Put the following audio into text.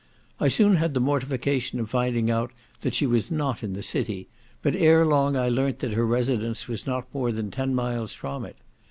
I soon had the mortification of finding that she was not in the city; but ere long I learnt that her residence was not more than ten miles from it.